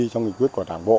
trong nghị quyết của đảng bộ